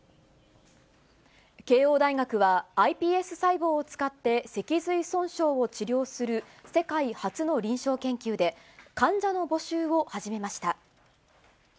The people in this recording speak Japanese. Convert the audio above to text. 慶応大学は、ｉＰＳ細胞を使って脊髄損傷を治療する、世界初の臨床研究で、患者の募集を始めました。